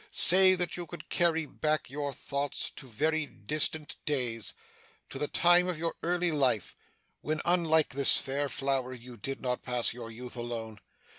Say, that you could carry back your thoughts to very distant days to the time of your early life when, unlike this fair flower, you did not pass your youth alone.